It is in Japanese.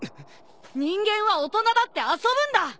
人間は大人だって遊ぶんだ！